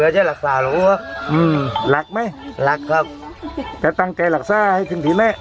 เธอจะหลักศาหรูวะหลักไหมหลักครับจะตั้งใจหลักศาให้ถึงที่ไหม